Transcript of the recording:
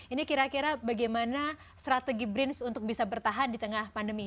ini kira kira bagaimana strategi brins untuk bisa bertahan di tengah pandemi